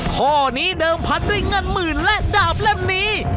ข้อนี้เดิมพันด้วยเงินหมื่นและดาบเล่มนี้